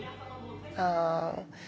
あぁ。